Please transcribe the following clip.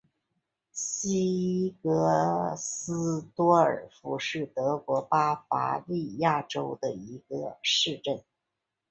西格斯多尔夫是德国巴伐利亚州的一个市镇。